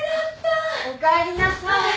おかえりなさい。